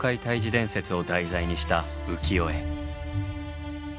伝説を題材にした浮世絵。